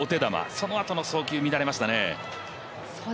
そのあとの送球乱れましたね。